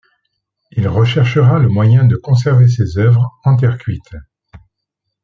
Il recherchera le moyen de conserver ses œuvres en terre cuite.